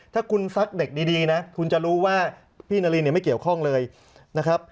ถ้าคุณซักเด็กดีนะคุณจะรู้ว่าพี่นารินเนี่ยไม่เกี่ยวข้องเลยนะครับ